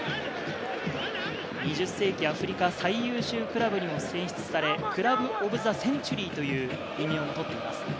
２０世紀アフリカ最優秀クラブにも選出され、クラブ・オブ・ザ・センチュリーという異名を取っています。